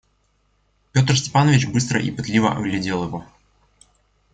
Петр Степанович быстро и пытливо оглядел его.